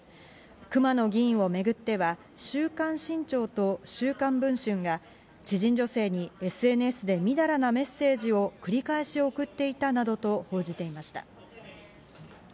熊野議員をめぐっては、『週刊新潮』と『週刊文春』が知人女性にＳＮＳでみだらなメッセージを繰り返し送っていたなどと報じていました。